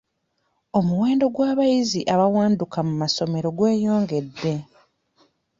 Omuwendo gw'abayizi abawanduka mu masomero gweyongedde.